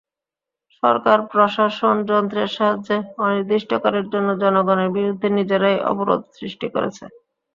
সরকার প্রশাসনযন্ত্রের সাহায্যে অনির্দিষ্টকালের জন্য জনগণের বিরুদ্ধে নিজেরাই অবরোধ সৃষ্টি করেছে।